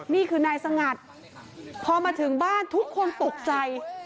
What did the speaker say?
นี่คือนายสงัดพอมาถึงบ้านทุกคนตกใจ